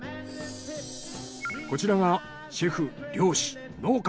こちらがシェフ漁師農家！